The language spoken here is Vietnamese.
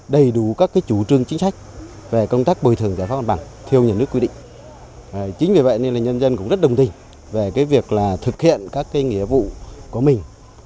đã dành sự ưu tiên một trăm linh vốn